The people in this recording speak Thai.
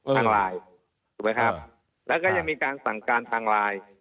ทางไลน์ถูกไหมครับแล้วก็ยังมีการสั่งการทางไลน์